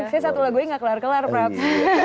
saya satu lagunya gak kelar kelar prap